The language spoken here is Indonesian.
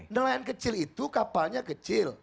nelayan kecil itu kapalnya kecil